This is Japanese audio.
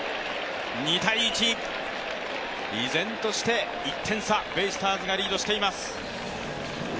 ２−１、依然として１点差、ベイスターズがリードしています。